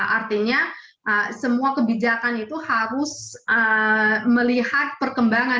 artinya semua kebijakan itu harus melihat perkembangan